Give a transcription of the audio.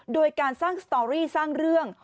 โดยการสร้างสตอรี่สร้างเรื่อง